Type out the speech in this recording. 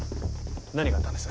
何があったんです？